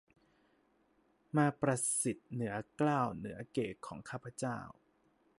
มาประสิทธิเหนือเกล้าเหนือเกศของข้าพเจ้า